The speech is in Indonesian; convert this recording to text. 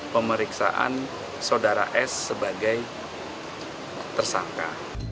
pemeriksaan saudara s sebagai tersangka